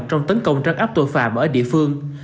trong tấn công trấn áp tội phạm ở địa phương